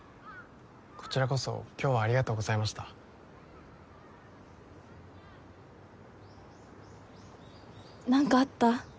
こちらこそ今日はありがとうございました何かあった？